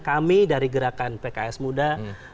kami dari gerakan pks muda